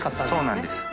そうなんです。